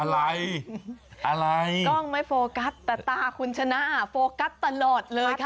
อะไรอะไรกล้องไม่โฟกัสแต่ตาคุณชนะโฟกัสตลอดเลยค่ะ